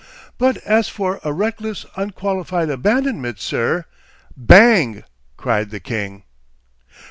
'But as for a reckless, unqualified abandonment, sir——' 'Bang!' cried the king.